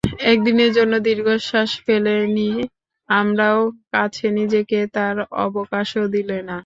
একদিনের জন্যে দীর্ঘনিশ্বাস ফেলে নি আমারও কাছে, নিজেকে তার অবকাশও দিলে না।